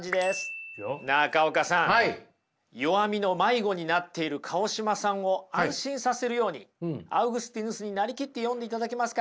中岡さん弱みの迷子になっている川島さんを安心させるようにアウグスティヌスになりきって読んでいただけますか？